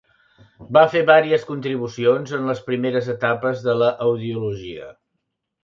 Va fer vàries contribucions en les primeres etapes de la audiologia.